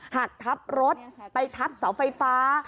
หักทับรถไปทับเสาไฟฟ้า